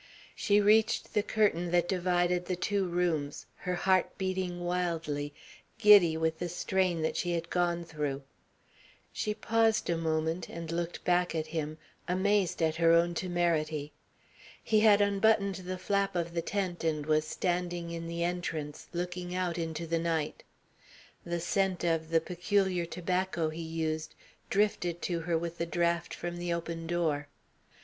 She reached the curtain that divided the two rooms, her heart beating wildly, giddy with the strain that she had gone through. She paused a moment and looked back at him, amazed at her own temerity. He had unbuttoned the flap of the tent and was standing in the entrance looking out into the night. The scent of the peculiar tobacco he used drifted to her with the draught from the open door.